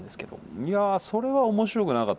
いやそれは面白くなかったですね。